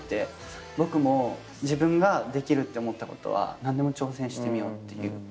僕も自分ができるって思ったことは何でも挑戦してみようっていう。